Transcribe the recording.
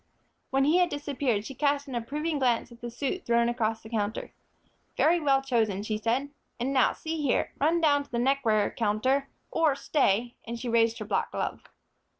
When he had disappeared, she cast an approving glance at the suit thrown across the counter. "Very well chosen," she said. "And now, see here, run down to the neckwear counter or stay," and she raised her black glove.